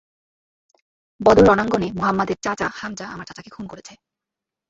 বদর রণাঙ্গনে মুহাম্মাদের চাচা হামযা আমার চাচাকে খুন করেছে।